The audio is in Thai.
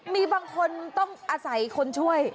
มีบางคนต้องอาศัยคนช่วย